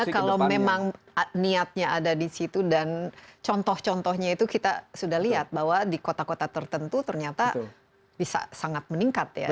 karena kalau memang niatnya ada di situ dan contoh contohnya itu kita sudah lihat bahwa di kota kota tertentu ternyata bisa sangat meningkat ya